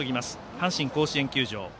阪神甲子園球場。